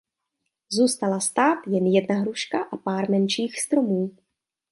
Zůstala stát jen jedna hruška a pár menších stromů.